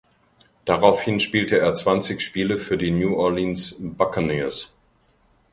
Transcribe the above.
Daraufhin spielte er zwanzig Spiele für die New Orleans Buccaneers.